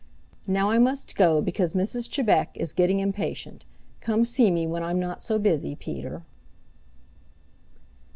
Now I must go because Mrs. Chebec is getting impatient. Come see me when I'm not so busy Peter."